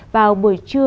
vào buổi trưa